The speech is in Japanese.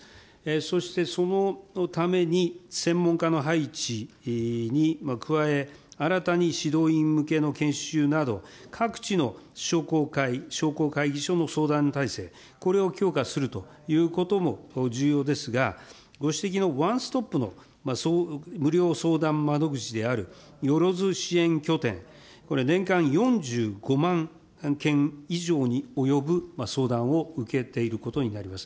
そしてそのために専門家の配置に加え、新たに指導員向けの研修など、各地の商工会、商工会議所の相談体制、これを強化するということも重要ですが、ご指摘のワンストップの無料相談窓口であるよろず支援拠点、これ、年間４５万件以上に及ぶ相談を受けていることになります。